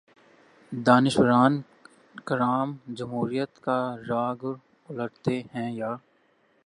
دانشوران کرام جمہوریت کا راگ الاپتے ہیں یا